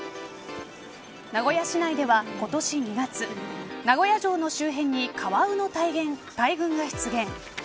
名古屋市内では今年２月名古屋城の周辺にカワウの大群が出現。